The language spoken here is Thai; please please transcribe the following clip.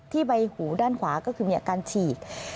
ใบหูด้านขวาก็คือมีอาการฉีก